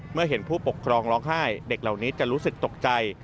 เมื่อเห็นผู้ปกครองร้องไห้เด็กเหล่านี้จะรู้สึกตกใจ